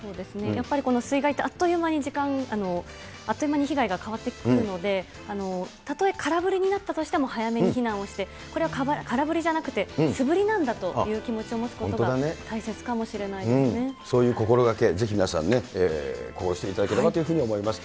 やっぱり水害って、あっという間に時間、あっという間に被害が変わってくるので、たとえ、空振りになったとしても早めに避難をして、これは空振りじゃなくて素振りなんだという気持ちを持つことが、そういう心がけ、ぜひ皆さんね、こうしていただければというふうに思います。